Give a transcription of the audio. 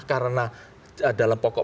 karena dalam pokok